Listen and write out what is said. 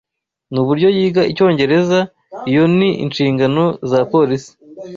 Nuburyo yiga Icyongereza. Iyo ni inshingano za polisi.